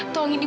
tolong ini ibu